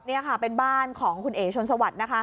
นี่ค่ะเป็นบ้านของคุณเอ๋ชนสวัสดิ์นะคะ